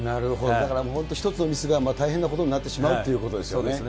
だから、本当１つのミスが大変なことになってしまうということですよね。